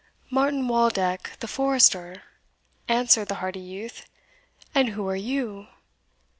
"Martin Waldeck, the forester," answered the hardy youth; "and who are you?"